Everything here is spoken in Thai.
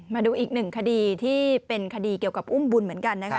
มาดูอีกหนึ่งคดีที่เป็นคดีเกี่ยวกับอุ้มบุญเหมือนกันนะคะ